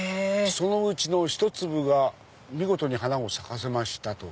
そのうちの１粒が見事に花を咲かせましたと。